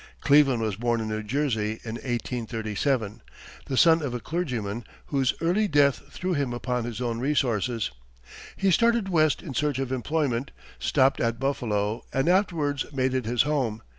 Cleveland was born in New Jersey in 1837, the son of a clergyman whose early death threw him upon his own resources. He started west in search of employment, stopped at Buffalo, and afterwards made it his home.